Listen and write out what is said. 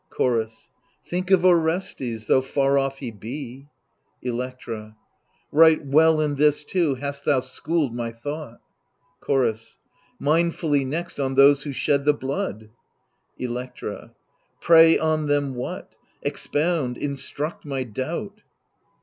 Chorus Think of Orestes, though far off he be. Electra Right well in this too hast thou schooled my thought. Chorus Mindfully, next, on those who shed the blood — Electra Pray on them what ? expound, instruct my doubt.